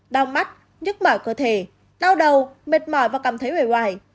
đau mắt nhức mở cơ thể đau đầu mệt mỏi và cảm thấy bề hoài